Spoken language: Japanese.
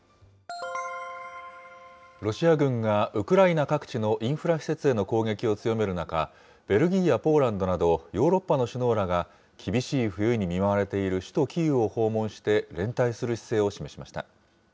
ロシア軍がウクライナ各地のインフラ施設への攻撃を強める中、ベルギーやポーランドなど、ヨーロッパの首脳らが厳しい冬に見舞われている首都キーウを訪問して、連帯する姿勢を示しました。